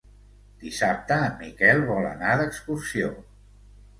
Dissabte en Miquel vol anar d'excursió.